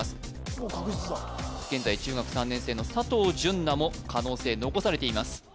もう確実だ現在中学３年生の佐藤潤奈も可能性残されています